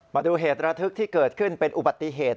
มาดูเหตุระทึกที่เกิดขึ้นเป็นอุบัติเหตุ